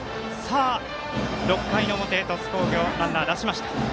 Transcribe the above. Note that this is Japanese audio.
６回の表、鳥栖工業ランナー、出しました。